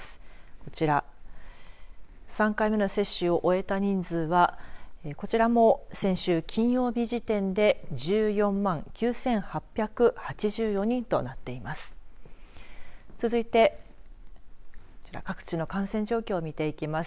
こちら３回目の接種を終えた人数はこちらも、先週金曜日時点で１４万９８８４人となっています。